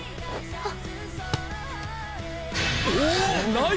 あっ！